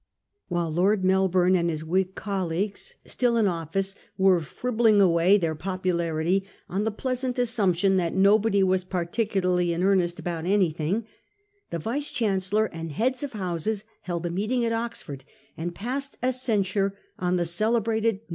While Lord Melbourne and bis Whig colleagues, still in office, were fribbling away their popularity on the pleasant assumption that nobody was particularly in earnest about anything, the Yice Chancellor and heads of houses held a meeting at Oxford, and passed a censure on the celebrated 'No.